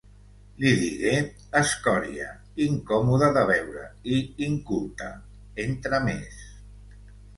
Li digué ‘escòria, incòmoda de veure i inculta’, entre més.